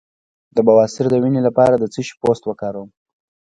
د بواسیر د وینې لپاره د څه شي پوستکی وکاروم؟